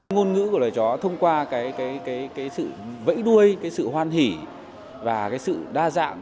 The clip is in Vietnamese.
ngôn ngữ của lời chó thông qua cái sự vẫy đuôi cái sự hoan hỷ và cái sự đa dạng